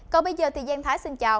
còn bây giờ thì giang thái xin chào